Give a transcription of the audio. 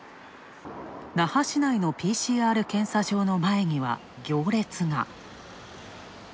那覇市内のＰＣＲ検査場には行列が。